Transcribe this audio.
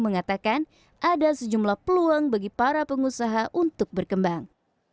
mengatakan ada sejumlah peluang bagi para pengusaha untuk berkembang